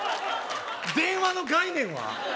電話の概念は？